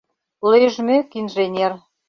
Лӧжмӧк инженер...